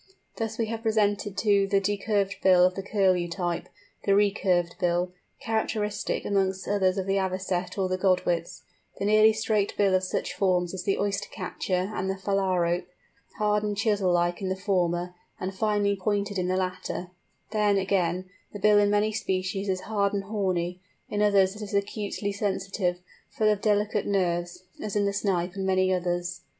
Thus we have presented to us the decurved bill of the Curlew type, the recurved bill, characteristic amongst others of the Avocet or the Godwits, the nearly straight bill of such forms as the Oyster catcher and the Phalarope, hard and chisel like in the former, and finely pointed in the latter; then, again, the bill in many species is hard and horny, in others it is acutely sensitive, full of delicate nerves, as in the Snipes and many others.